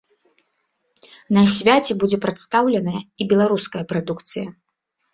На свяце будзе прадстаўленая і беларуская прадукцыя.